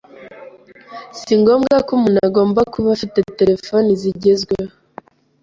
si ngombwa ko umuntu agomba kuba afite telefoni zigezweho